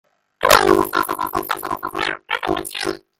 Other energy sources receive subsidies as well, often much higher.